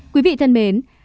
quý vị thân mến